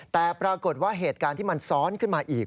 แต่ปรากฏว่าเหตุการณ์ที่มันซ้อนขึ้นมาอีก